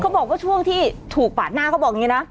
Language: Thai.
บอกว่าช่วงที่ถูกปาดหน้าเขาบอกอย่างนี้นะ